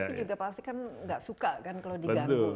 tapi juga pasti kan nggak suka kan kalau diganggu